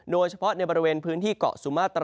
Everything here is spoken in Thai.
โดยเฉพาะในบริเวณพื้นที่เกาะสุมาต